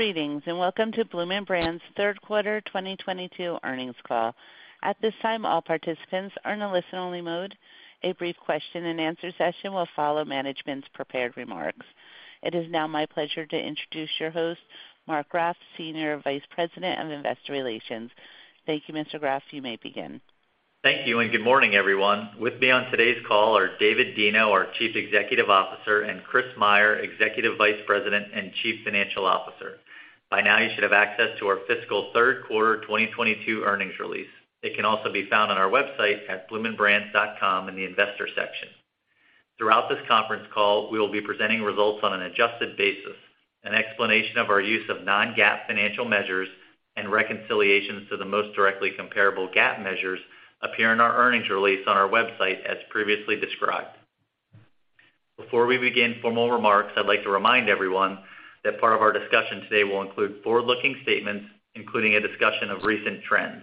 Greetings, and welcome to Bloomin' Brands' Third Quarter 2022 Earnings Call. At this time, all participants are in a listen-only mode. A brief question-and-answer session will follow management's prepared remarks. It is now my pleasure to introduce your host, Mark Graff, Senior Vice President of Investor Relations. Thank you, Mr. Graff. You may begin. Thank you, and good morning, everyone. With me on today's call are David Deno, our Chief Executive Officer, and Christopher Meyer, Executive Vice President and Chief Financial Officer. By now, you should have access to our fiscal third quarter 2022 earnings release. It can also be found on our website at bloominbrands.com in the Investor section. Throughout this conference call, we will be presenting results on an adjusted basis. An explanation of our use of non-GAAP financial measures and reconciliations to the most directly comparable GAAP measures appear in our earnings release on our website, as previously described. Before we begin formal remarks, I'd like to remind everyone that part of our discussion today will include forward-looking statements, including a discussion of recent trends.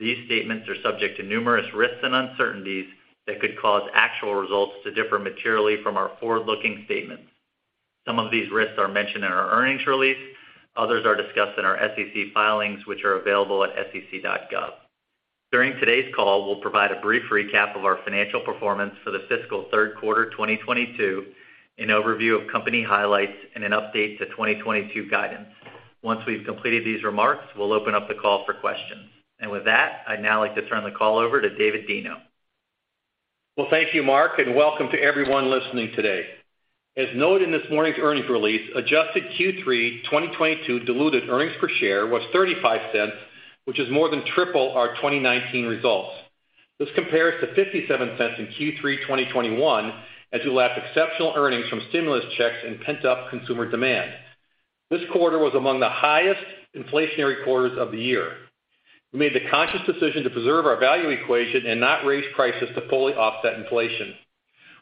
These statements are subject to numerous risks and uncertainties that could cause actual results to differ materially from our forward-looking statements. Some of these risks are mentioned in our earnings release. Others are discussed in our SEC filings, which are available at SEC.gov. During today's call, we'll provide a brief recap of our financial performance for the fiscal third quarter 2022, an overview of company highlights, and an update to 2022 guidance. Once we've completed these remarks, we'll open up the call for questions. With that, I'd now like to turn the call over to David Deno. Well, thank you, Mark, and welcome to everyone listening today. As noted in this morning's earnings release, adjusted Q3 2022 diluted earnings per share was $0.35, which is more than triple our 2019 results. This compares to $0.57 in Q3 2021 as we lacked exceptional earnings from stimulus checks and pent-up consumer demand. This quarter was among the highest inflationary quarters of the year. We made the conscious decision to preserve our value equation and not raise prices to fully offset inflation.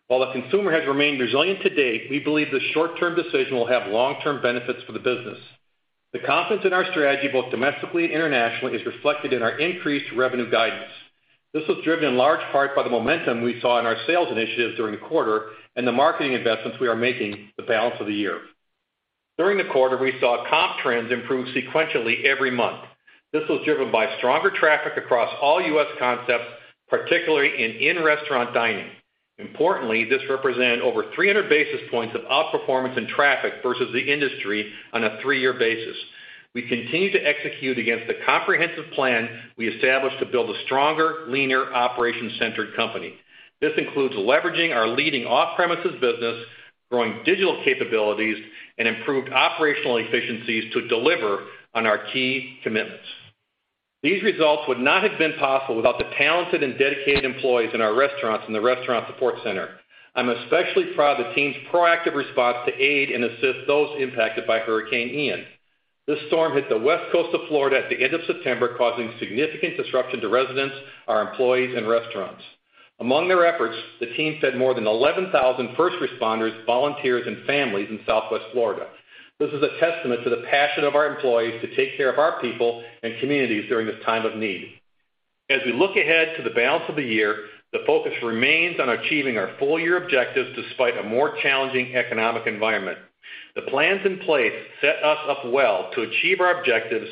While the consumer has remained resilient to date, we believe the short-term decision will have long-term benefits for the business. The confidence in our strategy, both domestically and internationally, is reflected in our increased revenue guidance. This was driven in large part by the momentum we saw in our sales initiatives during the quarter and the marketing investments we are making the balance of the year. During the quarter, we saw comp trends improve sequentially every month. This was driven by stronger traffic across all U.S. concepts, particularly in-restaurant dining. Importantly, this represented over 300 basis points of outperformance in traffic versus the industry on a three-year basis. We continue to execute against the comprehensive plan we established to build a stronger, leaner, operation-centered company. This includes leveraging our leading off-premises business, growing digital capabilities, and improved operational efficiencies to deliver on our key commitments. These results would not have been possible without the talented and dedicated employees in our restaurants and the Restaurant Support Center. I'm especially proud of the team's proactive response to aid and assist those impacted by Hurricane Ian. This storm hit the west coast of Florida at the end of September, causing significant disruption to residents, our employees, and restaurants. Among their efforts, the team fed more than 11,000 first responders, volunteers, and families in Southwest Florida. This is a testament to the passion of our employees to take care of our people and communities during this time of need. As we look ahead to the balance of the year, the focus remains on achieving our full-year objectives despite a more challenging economic environment. The plans in place set us up well to achieve our objectives,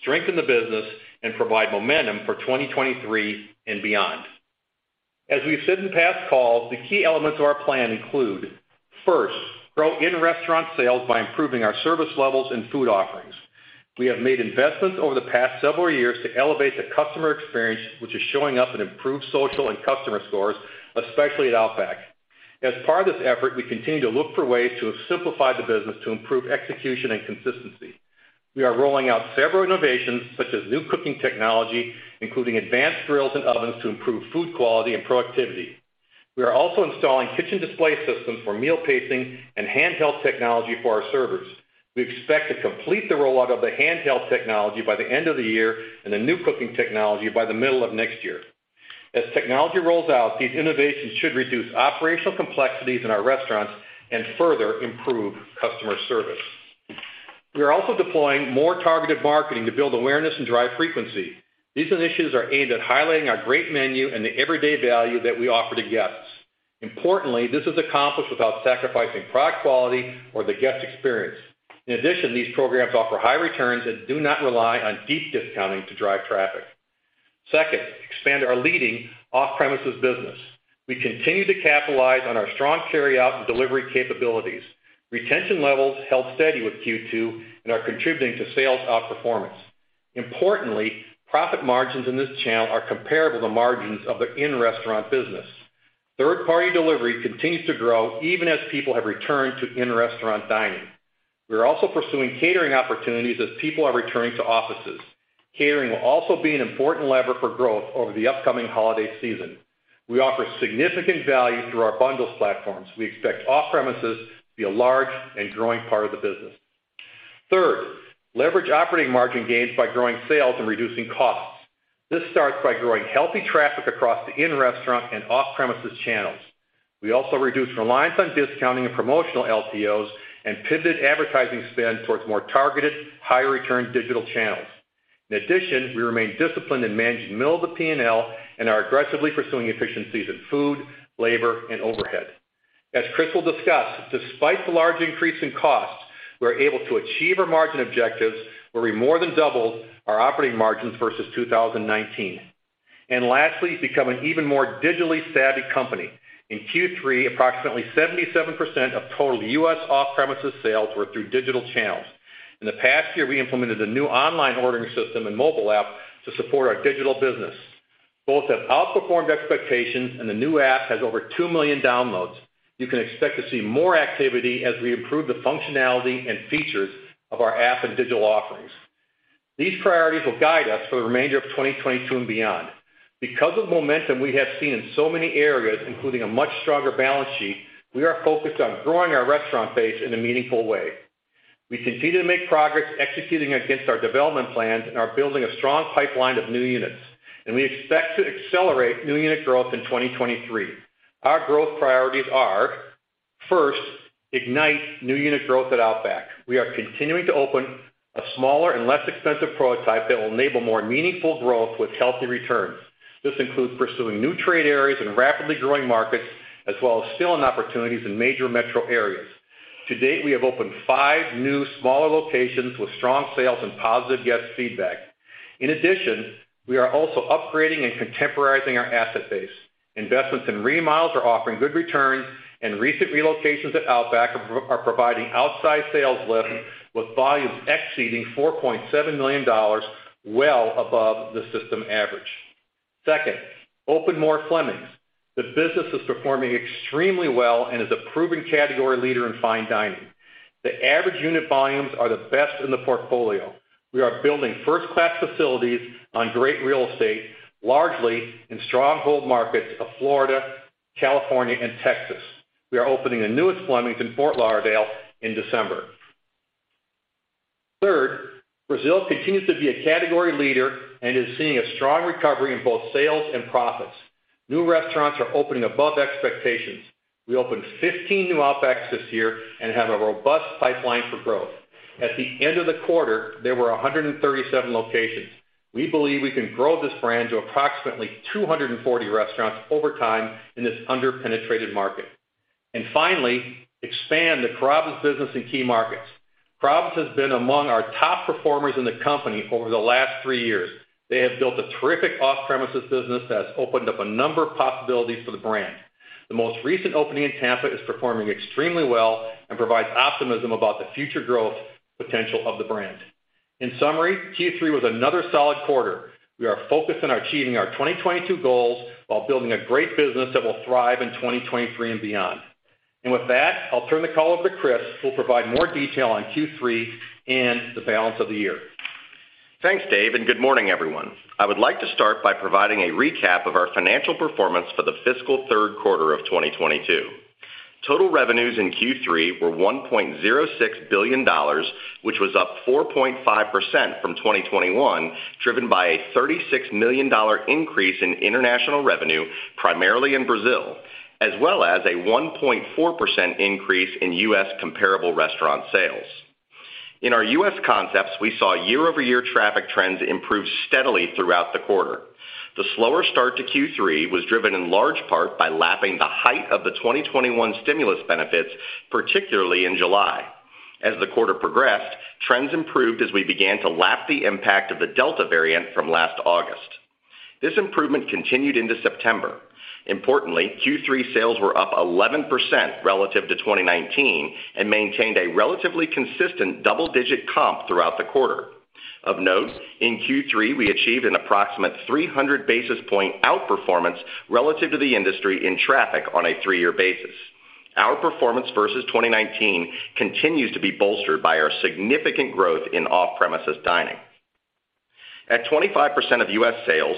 strengthen the business, and provide momentum for 2023 and beyond. As we've said in past calls, the key elements of our plan include, first, grow in-restaurant sales by improving our service levels and food offerings. We have made investments over the past several years to elevate the customer experience, which is showing up in improved social and customer scores, especially at Outback. As part of this effort, we continue to look for ways to simplify the business to improve execution and consistency. We are rolling out several innovations, such as new cooking technology, including advanced grills and ovens to improve food quality and productivity. We are also installing kitchen display systems for meal pacing and handheld technology for our servers. We expect to complete the rollout of the handheld technology by the end of the year and the new cooking technology by the middle of next year. As technology rolls out, these innovations should reduce operational complexities in our restaurants and further improve customer service. We are also deploying more targeted marketing to build awareness and drive frequency. These initiatives are aimed at highlighting our great menu and the everyday value that we offer to guests. Importantly, this is accomplished without sacrificing product quality or the guest experience. In addition, these programs offer high returns and do not rely on deep discounting to drive traffic. Second, expand our leading off-premises business. We continue to capitalize on our strong carryout and delivery capabilities. Retention levels held steady with Q2 and are contributing to sales outperformance. Importantly, profit margins in this channel are comparable to margins of the in-restaurant business. Third-party delivery continues to grow even as people have returned to in-restaurant dining. We are also pursuing catering opportunities as people are returning to offices. Catering will also be an important lever for growth over the upcoming holiday season. We offer significant value through our bundles platforms. We expect off-premises to be a large and growing part of the business. Third, leverage operating margin gains by growing sales and reducing costs. This starts by growing healthy traffic across the in-restaurant and off-premises channels. We also reduce reliance on discounting and promotional LTOs and pivot advertising spend towards more targeted, higher return digital channels. In addition, we remain disciplined in managing middle of the P&L and are aggressively pursuing efficiencies in food, labor, and overhead. As Chris will discuss, despite the large increase in costs, we're able to achieve our margin objectives where we more than doubled our operating margins versus 2019. Lastly, become an even more digitally savvy company. In Q3, approximately 77% of total U.S. off-premises sales were through digital channels. In the past year, we implemented a new online ordering system and mobile app to support our digital business. Both have outperformed expectations, and the new app has over 2 million downloads. You can expect to see more activity as we improve the functionality and features of our app and digital offerings. These priorities will guide us for the remainder of 2022 and beyond. Because of momentum we have seen in so many areas, including a much stronger balance sheet, we are focused on growing our restaurant base in a meaningful way. We continue to make progress executing against our development plans and are building a strong pipeline of new units, and we expect to accelerate new unit growth in 2023. Our growth priorities are, first, ignite new unit growth at Outback. We are continuing to open a smaller and less expensive prototype that will enable more meaningful growth with healthy returns. This includes pursuing new trade areas in rapidly growing markets as well as fill-in opportunities in major metro areas. To date, we have opened five new smaller locations with strong sales and positive guest feedback. In addition, we are also upgrading and contemporizing our asset base. Investments in remodels are offering good returns, and recent relocations at Outback are providing outside sales lift with volumes exceeding $4.7 million, well above the system average. Second, open more Fleming's. The business is performing extremely well and is a proven category leader in fine dining. The average unit volumes are the best in the portfolio. We are building first-class facilities on great real estate, largely in strong hold markets of Florida, California, and Texas. We are opening the newest Fleming's in Fort Lauderdale in December. Third, Brazil continues to be a category leader and is seeing a strong recovery in both sales and profits. New restaurants are opening above expectations. We opened 15 new Outbacks this year and have a robust pipeline for growth. At the end of the quarter, there were 137 locations. We believe we can grow this brand to approximately 240 restaurants over time in this under-penetrated market. Finally, expand the Carrabba's business in key markets. Carrabba's has been among our top performers in the company over the last three years. They have built a terrific off-premises business that has opened up a number of possibilities for the brand. The most recent opening in Tampa is performing extremely well and provides optimism about the future growth potential of the brand. In summary, Q3 was another solid quarter. We are focused on achieving our 2022 goals while building a great business that will thrive in 2023 and beyond. With that, I'll turn the call over to Chris, who will provide more detail on Q3 and the balance of the year. Thanks, Dave, and good morning, everyone. I would like to start by providing a recap of our financial performance for the fiscal third quarter of 2022. Total revenues in Q3 were $1.06 billion, which was up 4.5% from 2021, driven by a $36 million increase in international revenue, primarily in Brazil, as well as a 1.4% increase in U.S. comparable restaurant sales. In our U.S. concepts, we saw year-over-year traffic trends improve steadily throughout the quarter. The slower start to Q3 was driven in large part by lapping the height of the 2021 stimulus benefits, particularly in July. As the quarter progressed, trends improved as we began to lap the impact of the Delta variant from last August. This improvement continued into September. Importantly, Q3 sales were up 11% relative to 2019 and maintained a relatively consistent double-digit comp throughout the quarter. Of note, in Q3, we achieved an approximate 300 basis points outperformance relative to the industry in traffic on a three-year basis. Our performance versus 2019 continues to be bolstered by our significant growth in off-premises dining. At 25% of U.S. sales,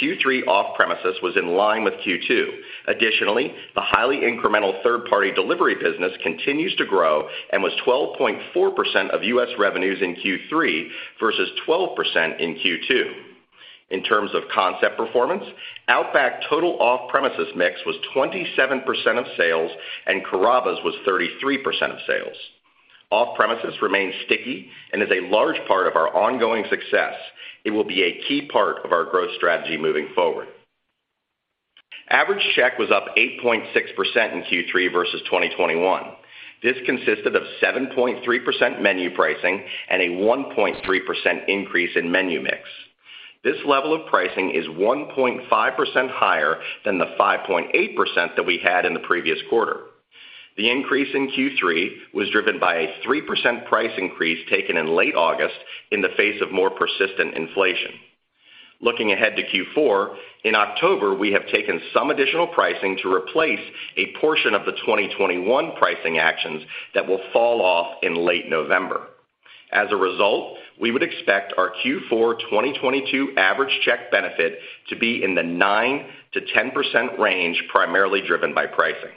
Q3 off-premises was in line with Q2. Additionally, the highly incremental third-party delivery business continues to grow and was 12.4% of U.S. revenues in Q3 versus 12% in Q2. In terms of concept performance, Outback total off-premises mix was 27% of sales and Carrabba's was 33% of sales. Off-premises remains sticky and is a large part of our ongoing success. It will be a key part of our growth strategy moving forward. Average check was up 8.6% in Q3 versus 2021. This consisted of 7.3% menu pricing and a 1.3% increase in menu mix. This level of pricing is 1.5% higher than the 5.8% that we had in the previous quarter. The increase in Q3 was driven by a 3% price increase taken in late August in the face of more persistent inflation. Looking ahead to Q4, in October, we have taken some additional pricing to replace a portion of the 2021 pricing actions that will fall off in late November. As a result, we would expect our Q4 2022 average check benefit to be in the 9%-10% range, primarily driven by pricing.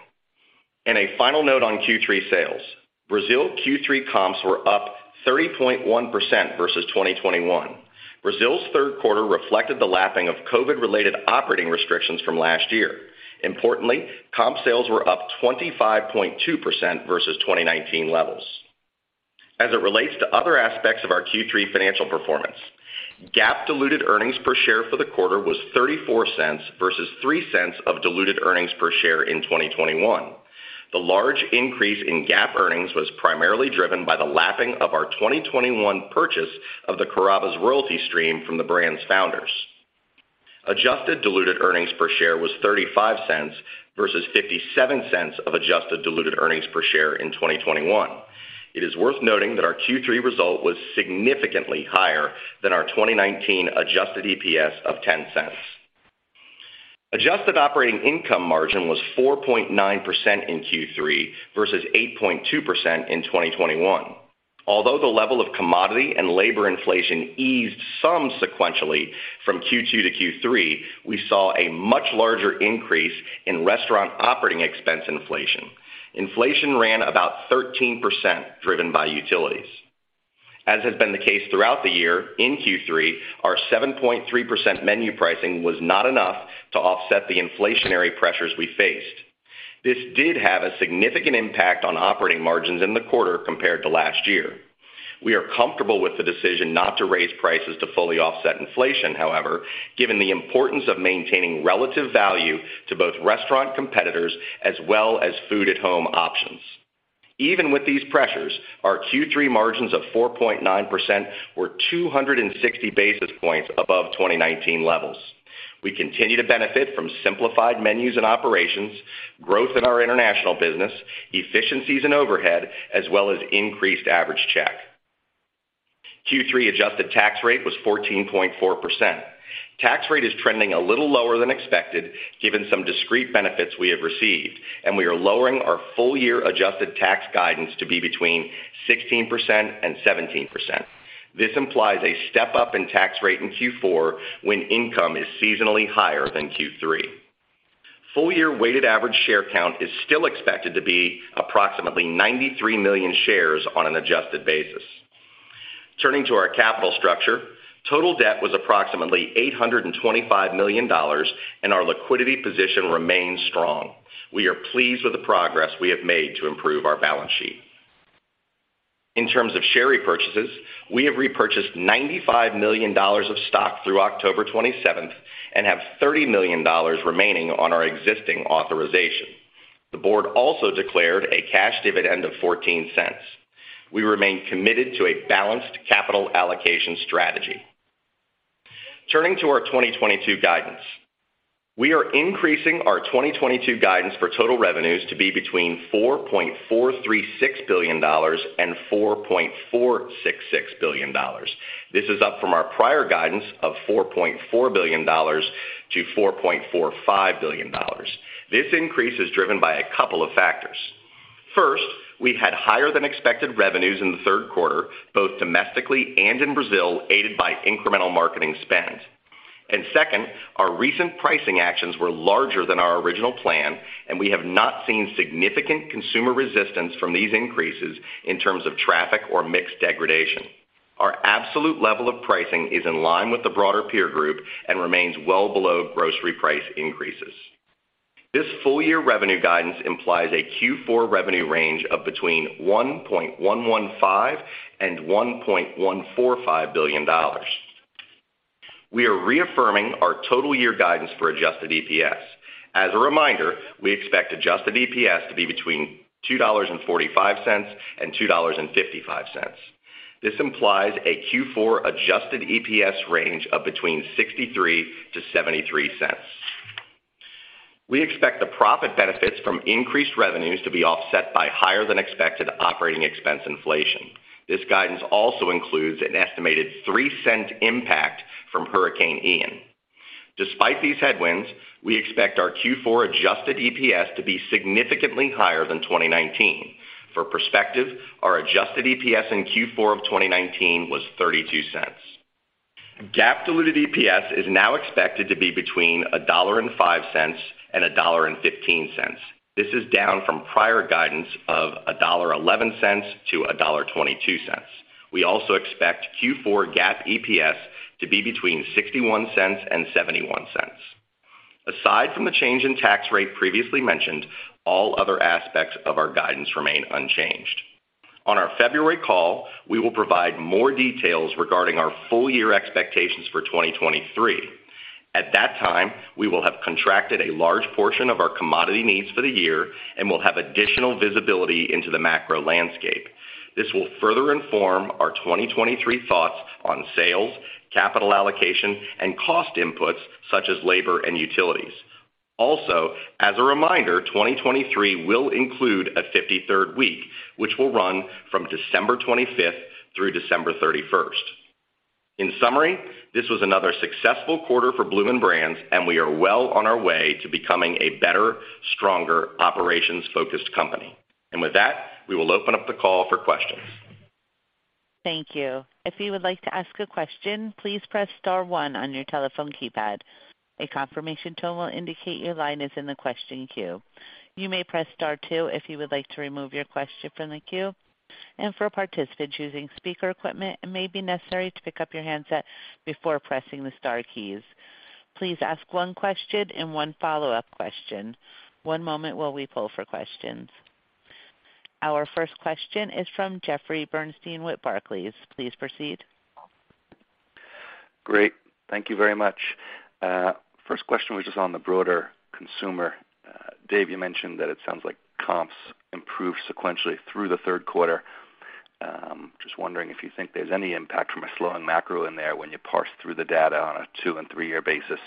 A final note on Q3 sales. Brazil Q3 comps were up 30.1% versus 2021. Brazil's third quarter reflected the lapping of COVID-related operating restrictions from last year. Importantly, comp sales were up 25.2% versus 2019 levels. As it relates to other aspects of our Q3 financial performance, GAAP diluted earnings per share for the quarter was $0.34 versus $0.03 of diluted earnings per share in 2021. The large increase in GAAP earnings was primarily driven by the lapping of our 2021 purchase of the Carrabba's royalty stream from the brand's founders. Adjusted diluted earnings per share was $0.35 versus $0.57 of adjusted diluted earnings per share in 2021. It is worth noting that our Q3 result was significantly higher than our 2019 adjusted EPS of $0.10. Adjusted operating income margin was 4.9% in Q3 versus 8.2% in 2021. Although the level of commodity and labor inflation eased some sequentially from Q2 to Q3, we saw a much larger increase in restaurant operating expense inflation. Inflation ran about 13% driven by utilities. As has been the case throughout the year, in Q3, our 7.3% menu pricing was not enough to offset the inflationary pressures we faced. This did have a significant impact on operating margins in the quarter compared to last year. We are comfortable with the decision not to raise prices to fully offset inflation, however, given the importance of maintaining relative value to both restaurant competitors as well as food-at-home options. Even with these pressures, our Q3 margins of 4.9% were 260 basis points above 2019 levels. We continue to benefit from simplified menus and operations, growth in our international business, efficiencies in overhead, as well as increased average check. Q3 adjusted tax rate was 14.4%. Tax rate is trending a little lower than expected given some discrete benefits we have received, and we are lowering our full year adjusted tax guidance to be between 16% and 17%. This implies a step-up in tax rate in Q4 when income is seasonally higher than Q3. Full year weighted average share count is still expected to be approximately 93 million shares on an adjusted basis. Turning to our capital structure, total debt was approximately $825 million, and our liquidity position remains strong. We are pleased with the progress we have made to improve our balance sheet. In terms of share repurchases, we have repurchased $95 million of stock through October 27th and have $30 million remaining on our existing authorization. The board also declared a cash dividend of $0.14. We remain committed to a balanced capital allocation strategy. Turning to our 2022 guidance, we are increasing our 2022 guidance for total revenues to be between $4.436 billion and $4.466 billion. This is up from our prior guidance of $4.4 billion-$4.45 billion. This increase is driven by a couple of factors. First, we've had higher than expected revenues in the third quarter, both domestically and in Brazil, aided by incremental marketing spend. Second, our recent pricing actions were larger than our original plan, and we have not seen significant consumer resistance from these increases in terms of traffic or mix degradation. Our absolute level of pricing is in line with the broader peer group and remains well below grocery price increases. This full-year revenue guidance implies a Q4 revenue range of between $1.115 billion and $1.145 billion. We are reaffirming our full-year guidance for adjusted EPS. As a reminder, we expect adjusted EPS to be between $2.45 and $2.55. This implies a Q4 adjusted EPS range of between $0.63-$0.73. We expect the profit benefits from increased revenues to be offset by higher than expected operating expense inflation. This guidance also includes an estimated 3-cent impact from Hurricane Ian. Despite these headwinds, we expect our Q4 adjusted EPS to be significantly higher than 2019. For perspective, our adjusted EPS in Q4 of 2019 was $0.32. GAAP diluted EPS is now expected to be between $1.05-$1.15. This is down from prior guidance of $1.11-$1.22. We also expect Q4 GAAP EPS to be between $0.61-$0.71. Aside from the change in tax rate previously mentioned, all other aspects of our guidance remain unchanged. On our February call, we will provide more details regarding our full year expectations for 2023. At that time, we will have contracted a large portion of our commodity needs for the year and will have additional visibility into the macro landscape. This will further inform our 2023 thoughts on sales, capital allocation, and cost inputs such as labor and utilities. Also, as a reminder, 2023 will include a 53rd week, which will run from December 25th through December 31st. In summary, this was another successful quarter for Bloomin' Brands, and we are well on our way to becoming a better, stronger, operations-focused company. With that, we will open up the call for questions. Thank you. If you would like to ask a question, please press star one on your telephone keypad. A confirmation tone will indicate your line is in the question queue. You may press star two if you would like to remove your question from the queue. For participants using speaker equipment, it may be necessary to pick up your handset before pressing the star keys. Please ask one question and one follow-up question. One moment while we poll for questions. Our first question is from Jeffrey Bernstein with Barclays. Please proceed. Great. Thank you very much. First question was just on the broader consumer. Dave, you mentioned that it sounds like comps improved sequentially through the third quarter. Just wondering if you think there's any impact from a slowing macro in there when you parse through the data on a two- and three-year basis.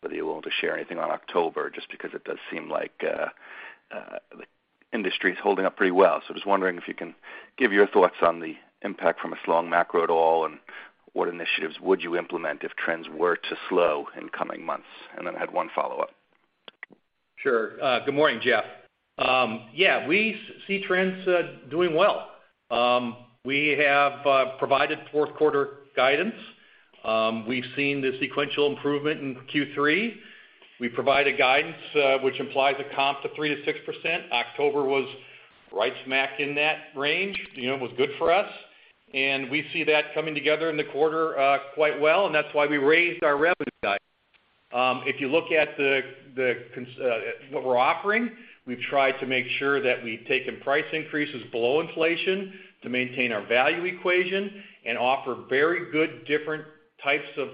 Whether you're able to share anything on October, just because it does seem like the industry is holding up pretty well. I was wondering if you can give your thoughts on the impact from a slowing macro at all, and what initiatives would you implement if trends were to slow in coming months? Then I had one follow-up. Sure. Good morning, Jeff. Yeah, we see trends doing well. We have provided fourth quarter guidance. We've seen the sequential improvement in Q3. We provided guidance, which implies a comp to 3%-6%. October was right smack in that range. You know, it was good for us. We see that coming together in the quarter quite well, and that's why we raised our revenue guidance. If you look at the concepts, what we're offering, we've tried to make sure that we've taken price increases below inflation to maintain our value equation and offer very good different types of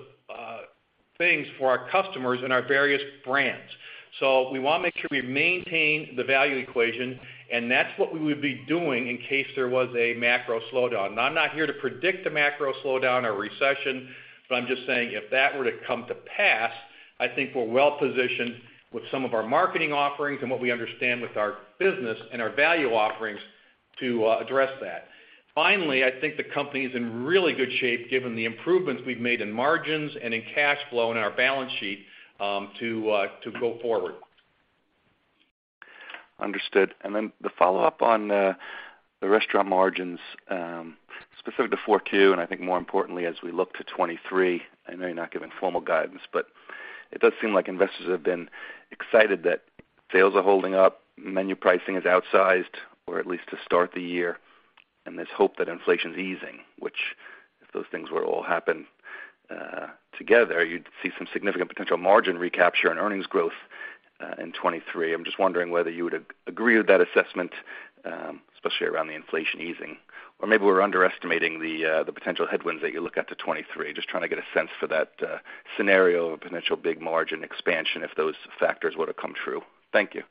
things for our customers and our various brands. We wanna make sure we maintain the value equation, and that's what we would be doing in case there was a macro slowdown. Now, I'm not here to predict a macro slowdown or recession, but I'm just saying if that were to come to pass, I think we're well positioned with some of our marketing offerings and what we understand with our business and our value offerings to address that. Finally, I think the company is in really good shape given the improvements we've made in margins and in cash flow and our balance sheet to go forward. Understood. The follow-up on the restaurant margins, specific to Q4, and I think more importantly as we look to 2023, I know you're not giving formal guidance, but it does seem like investors have been excited that sales are holding up, menu pricing is outsized, or at least to start the year, and there's hope that inflation's easing, which if those things were all to happen together, you'd see some significant potential margin recapture and earnings growth in 2023. I'm just wondering whether you would agree with that assessment, especially around the inflation easing. Maybe we're underestimating the potential headwinds that you look at to 2023. Just trying to get a sense for that scenario of a potential big margin expansion if those factors were to come true. Thank you.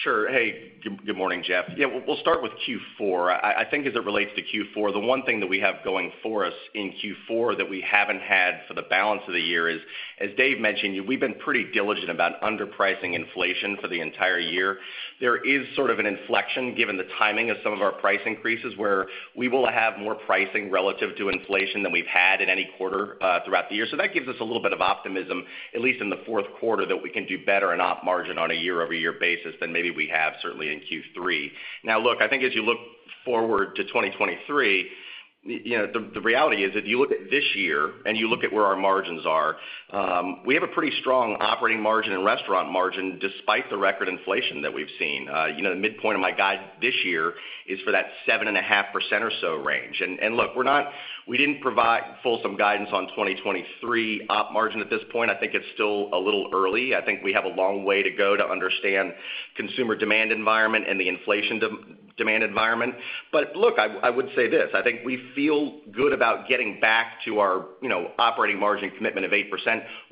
Sure. Hey, good morning, Jeff. Yeah, we'll start with Q4. I think as it relates to Q4, the one thing that we have going for us in Q4 that we haven't had for the balance of the year is, as Dave mentioned, we've been pretty diligent about underpricing inflation for the entire year. There is sort of an inflection given the timing of some of our price increases, where we will have more pricing relative to inflation than we've had in any quarter throughout the year. That gives us a little bit of optimism, at least in the fourth quarter, that we can do better in op margin on a year-over-year basis than maybe we have certainly in Q3. Now look, I think as you look forward to 2023, you know, the reality is if you look at this year and you look at where our margins are, we have a pretty strong operating margin and restaurant margin despite the record inflation that we've seen. You know, the midpoint of my guide this year is for that 7.5% or so range. Look, we didn't provide fulsome guidance on 2023 op margin at this point. I think it's still a little early. I think we have a long way to go to understand consumer demand environment and the inflation demand environment. Look, I would say this, I think we feel good about getting back to our, you know, operating margin commitment of 8%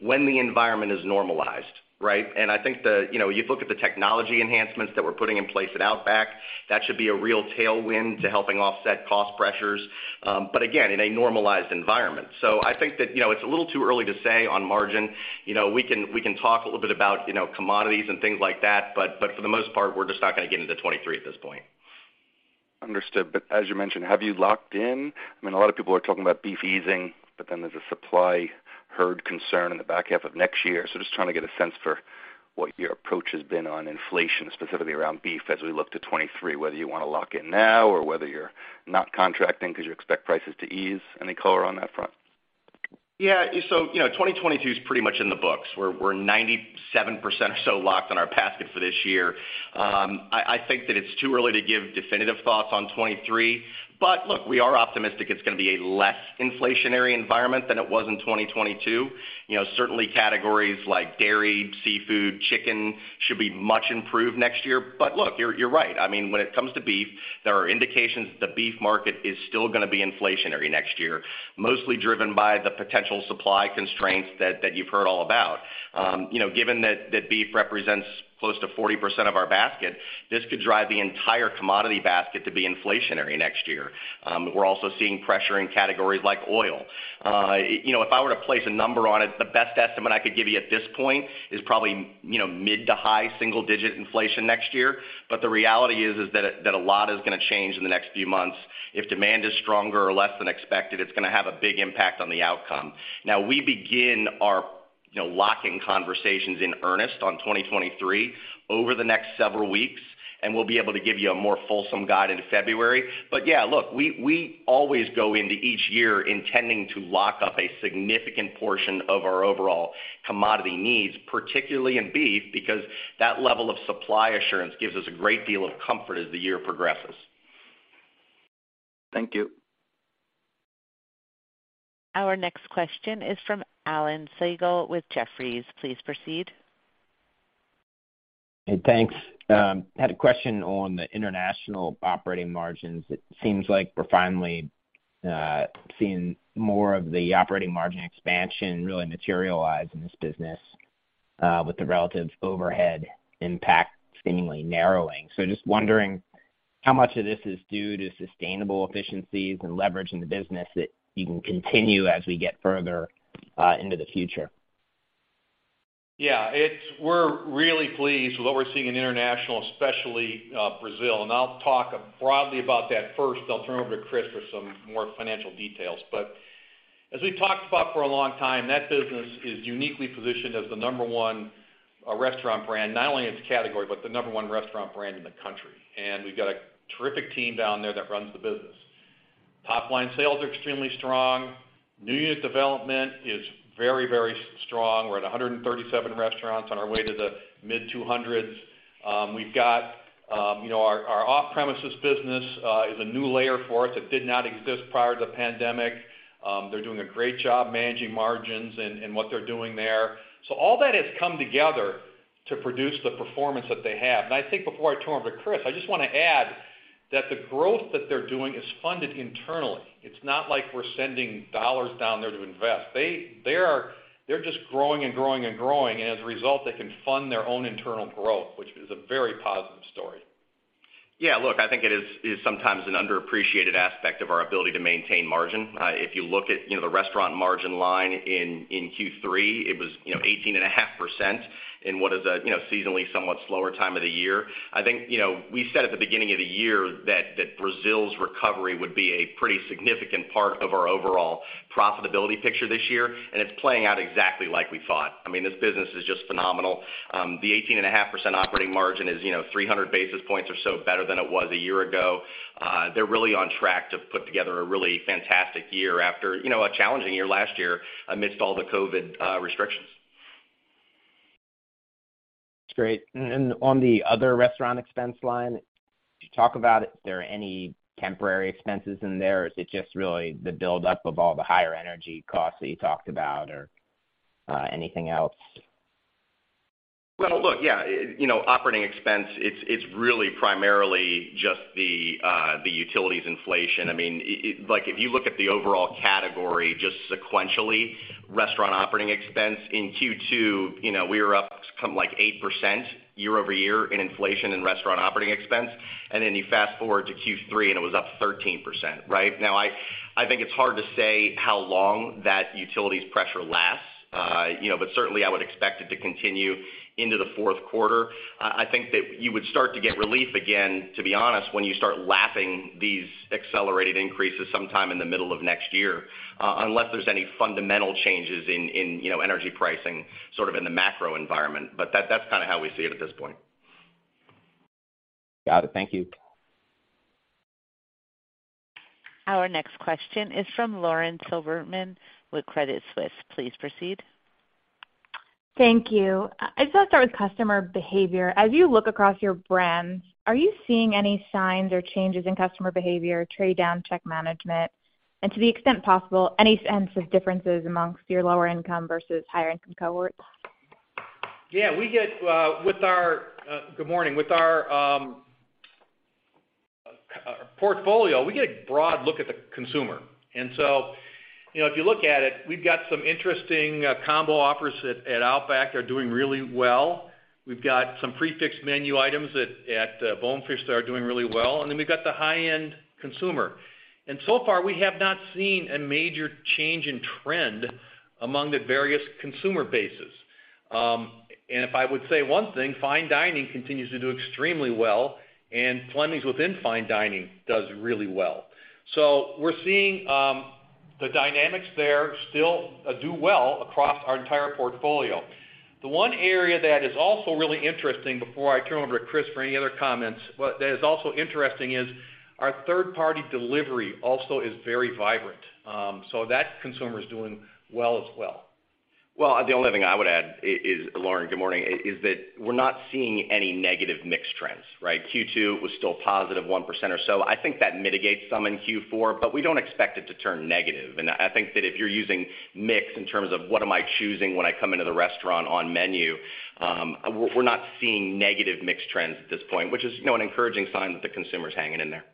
when the environment is normalized, right? I think the, you know, you look at the technology enhancements that we're putting in place at Outback, that should be a real tailwind to helping offset cost pressures, but again, in a normalized environment. I think that, you know, it's a little too early to say on margin. You know, we can talk a little bit about, you know, commodities and things like that, but for the most part, we're just not gonna get into 2023 at this point. Understood. As you mentioned, have you locked in? I mean, a lot of people are talking about beef easing, but then there's a supply herd concern in the back half of next year. Just trying to get a sense for what your approach has been on inflation, specifically around beef as we look to 2023, whether you wanna lock in now or whether you're not contracting because you expect prices to ease. Any color on that front? Yeah. You know, 2022 is pretty much in the books. We're 97% or so locked on our basket for this year. I think that it's too early to give definitive thoughts on 2023. Look, we are optimistic it's gonna be a less inflationary environment than it was in 2022. You know, certainly categories like dairy, seafood, chicken should be much improved next year. Look, you're right. I mean, when it comes to beef, there are indications that the beef market is still gonna be inflationary next year, mostly driven by the potential supply constraints that you've heard all about. You know, given that beef represents close to 40% of our basket, this could drive the entire commodity basket to be inflationary next year. We're also seeing pressure in categories like oil. You know, if I were to place a number on it, the best estimate I could give you at this point is probably, you know, mid- to high-single-digit inflation next year. The reality is that a lot is gonna change in the next few months. If demand is stronger or less than expected, it's gonna have a big impact on the outcome. Now, we begin our, you know, locking conversations in earnest on 2023 over the next several weeks, and we'll be able to give you a more fulsome guide in February. Yeah, look, we always go into each year intending to lock up a significant portion of our overall commodity needs, particularly in beef, because that level of supply assurance gives us a great deal of comfort as the year progresses. Thank you. Our next question is from Alex Slagle with Jefferies. Please proceed. Hey, thanks. Had a question on the international operating margins. It seems like we're finally seeing more of the operating margin expansion really materialize in this business, with the relative overhead impact seemingly narrowing. Just wondering how much of this is due to sustainable efficiencies and leverage in the business that you can continue as we get further into the future? We're really pleased with what we're seeing in international, especially Brazil, and I'll talk broadly about that first. I'll turn over to Chris for some more financial details. As we talked about for a long time, that business is uniquely positioned as the number one restaurant brand, not only in its category, but the number one restaurant brand in the country. We've got a terrific team down there that runs the business. Top line sales are extremely strong. New unit development is very, very strong. We're at 137 restaurants on our way to the mid-200s. You know, our off-premises business is a new layer for us that did not exist prior to the pandemic. They're doing a great job managing margins and what they're doing there. All that has come together to produce the performance that they have. I think before I turn over to Chris, I just wanna add that the growth that they're doing is funded internally. It's not like we're sending dollars down there to invest. They're just growing and growing and growing, and as a result they can fund their own internal growth, which is a very positive story. Yeah, look, I think it is sometimes an underappreciated aspect of our ability to maintain margin. If you look at, you know, the restaurant margin line in Q3, it was, you know, 18.5% in what is a, you know, seasonally somewhat slower time of the year. I think, you know, we said at the beginning of the year that Brazil's recovery would be a pretty significant part of our overall profitability picture this year, and it's playing out exactly like we thought. I mean, this business is just phenomenal. The 18.5% operating margin is, you know, 300 basis points or so better than it was a year ago. They're really on track to put together a really fantastic year after, you know, a challenging year last year amidst all the COVID restrictions. That's great. On the other restaurant expense line, did you talk about if there are any temporary expenses in there, or is it just really the buildup of all the higher energy costs that you talked about or anything else? Well, you know, operating expense, it's really primarily just the utilities inflation. I mean, like, if you look at the overall category, just sequentially, restaurant operating expense in Q2, you know, we were up some, like, 8% year-over-year in inflation and restaurant operating expense. You fast-forward to Q3, and it was up 13%, right? Now I think it's hard to say how long that utilities pressure lasts, you know, but certainly I would expect it to continue into the fourth quarter. I think that you would start to get relief again, to be honest, when you start lapping these accelerated increases sometime in the middle of next year, unless there's any fundamental changes in, you know, energy pricing, sort of in the macro environment. That's kinda how we see it at this point. Got it. Thank you. Our next question is from Lauren Silberman with Credit Suisse. Please proceed. Thank you. I just wanna start with customer behavior. As you look across your brands, are you seeing any signs or changes in customer behavior, trade down, check management? To the extent possible, any sense of differences amongst your lower income versus higher income cohorts? Good morning. With our portfolio, we get a broad look at the consumer. You know, if you look at it, we've got some interesting combo offers at Outback are doing really well. We've got some prefixed menu items at Bonefish that are doing really well. Then we've got the high-end consumer. So far, we have not seen a major change in trend among the various consumer bases. If I would say one thing, fine dining continues to do extremely well, and Fleming's within fine dining does really well. We're seeing the dynamics there still do well across our entire portfolio. The one area that is also really interesting before I turn over to Chris for any other comments, but that is also interesting is our third-party delivery also is very vibrant. That consumer is doing well as well. Well, the only thing I would add is, Lauren, good morning, is that we're not seeing any negative mix trends, right? Q2 was still positive 1% or so. I think that mitigates some in Q4, but we don't expect it to turn negative. I think that if you're using mix in terms of what am I choosing when I come into the restaurant on menu, we're not seeing negative mix trends at this point, which is, you know, an encouraging sign that the consumer is hanging in there.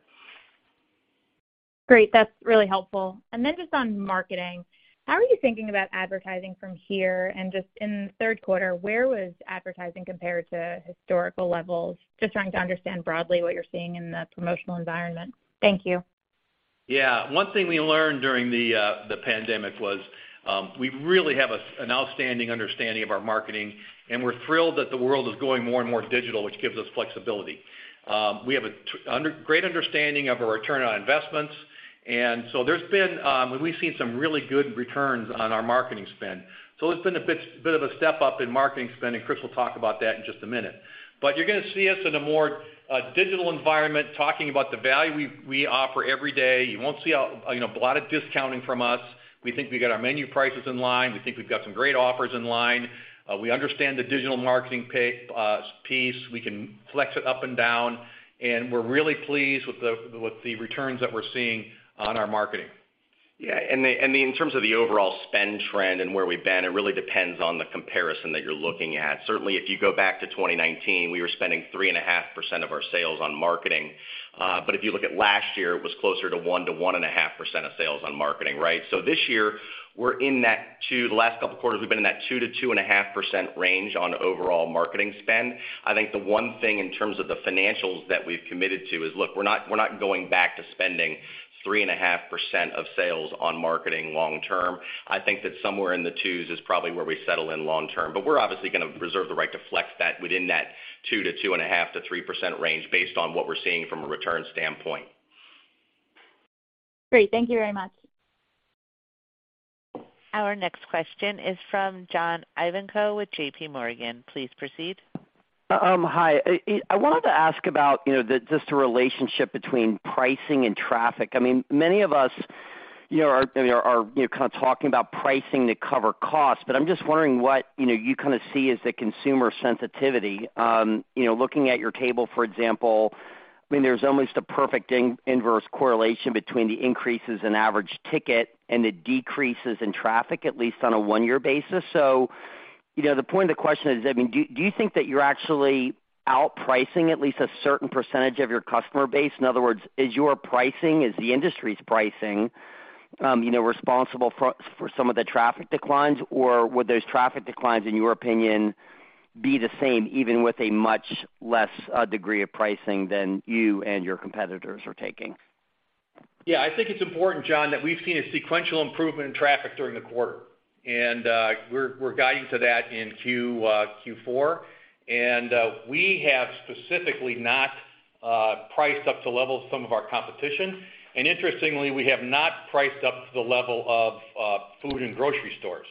Great. That's really helpful. Just on marketing, how are you thinking about advertising from here? Just in the third quarter, where was advertising compared to historical levels? Just trying to understand broadly what you're seeing in the promotional environment. Thank you. Yeah. One thing we learned during the pandemic was. We really have an outstanding understanding of our marketing, and we're thrilled that the world is going more and more digital, which gives us flexibility. We have a great understanding of our return on investments, and there's been, we've seen some really good returns on our marketing spend. It's been a bit of a step up in marketing spend, and Chris will talk about that in just a minute. You're gonna see us in a more digital environment, talking about the value we offer every day. You won't see, you know, a lot of discounting from us. We think we got our menu prices in line. We think we've got some great offers in line. We understand the digital marketing piece. We can flex it up and down, and we're really pleased with the returns that we're seeing on our marketing. Yeah. In terms of the overall spend trend and where we've been, it really depends on the comparison that you're looking at. Certainly, if you go back to 2019, we were spending 3.5% of our sales on marketing. If you look at last year, it was closer to 1%-1.5% of sales on marketing, right? This year, the last couple of quarters, we've been in that 2%-2.5% range on overall marketing spend. I think the one thing in terms of the financials that we've committed to is, look, we're not going back to spending 3.5% of sales on marketing long term. I think that somewhere in the 2s is probably where we settle in long term. We're obviously gonna reserve the right to flex that within that 2%-2.5%-3% range based on what we're seeing from a return standpoint. Great. Thank you very much. Our next question is from John Ivankoe with JPMorgan. Please proceed. Hi. I wanted to ask about, you know, just the relationship between pricing and traffic. I mean, many of us, you know, are you know, kind of talking about pricing to cover costs, but I'm just wondering what, you know, you kind of see as the consumer sensitivity. You know, looking at your table, for example, there's almost a perfect inverse correlation between the increases in average ticket and the decreases in traffic, at least on a one-year basis. You know, the point of the question is, I mean, do you think that you're actually outpricing at least a certain percentage of your customer base? In other words, is your pricing, is the industry's pricing, you know, responsible for some of the traffic declines? Would those traffic declines, in your opinion, be the same even with a much less degree of pricing than you and your competitors are taking? Yeah, I think it's important, John, that we've seen a sequential improvement in traffic during the quarter. We're guiding to that in Q4. We have specifically not priced up to the level of some of our competition. Interestingly, we have not priced up to the level of food and grocery stores.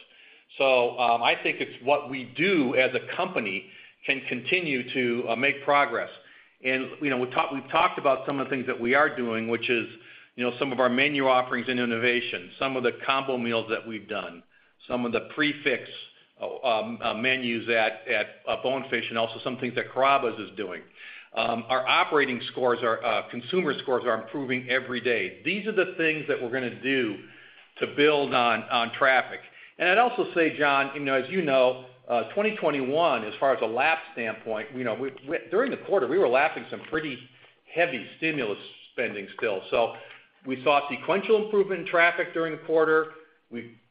I think it's what we do as a company can continue to make progress. You know, we've talked about some of the things that we are doing, which is you know, some of our menu offerings and innovation, some of the combo meals that we've done, some of the prix fixe menus at Bonefish, and also some things that Carrabba's is doing. Our operating scores and consumer scores are improving every day. These are the things that we're gonna do to build on traffic. I'd also say, John, you know, as you know, 2021, as far as a lap standpoint, you know, during the quarter we were lapping some pretty heavy stimulus spending still. We saw sequential improvement in traffic during the quarter.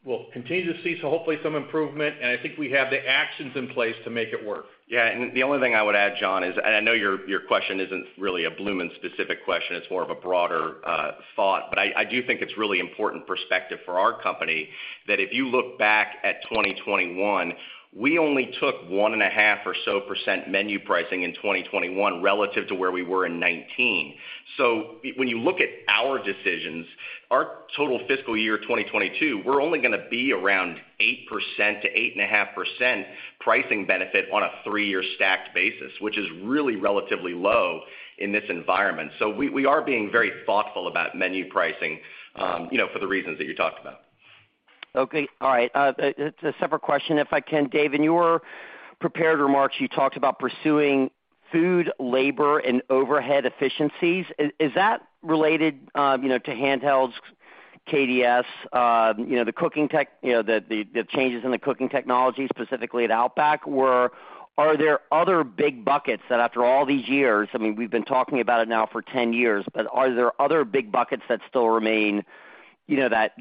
We will continue to see, so hopefully some improvement, and I think we have the actions in place to make it work. Yeah. The only thing I would add, John, is I know your question isn't really a Bloomin' specific question. It's more of a broader thought, but I do think it's really important perspective for our company that if you look back at 2021, we only took 1.5% or so menu pricing in 2021 relative to where we were in 2019. When you look at our decisions, our total fiscal year 2022, we're only gonna be around 8%-8.5% pricing benefit on a three-year stacked basis, which is really relatively low in this environment. We are being very thoughtful about menu pricing, you know, for the reasons that you talked about. Okay. All right. A separate question, if I can. Dave, in your prepared remarks, you talked about pursuing food, labor, and overhead efficiencies. Is that related to handhelds, KDS, the cooking tech, the changes in the cooking technology, specifically at Outback? Or are there other big buckets that after all these years, I mean, we've been talking about it now for 10 years, but are there other big buckets that still remain, you know, that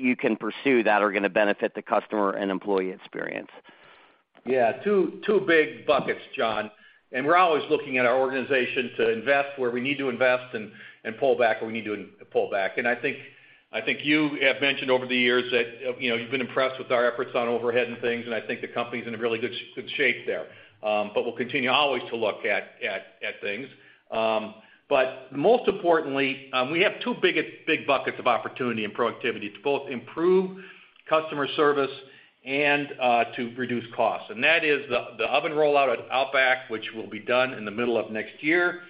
you can pursue that are gonna benefit the customer and employee experience? Yeah. Two big buckets, John. We're always looking at our organization to invest where we need to invest and pull back where we need to pull back. I think you have mentioned over the years that, you know, you've been impressed with our efforts on overhead and things, and I think the company's in a really good shape there. We'll continue always to look at things. Most importantly, we have two big buckets of opportunity and productivity to both improve customer service and to reduce costs. That is the oven rollout at Outback, which will be done in the middle of next year,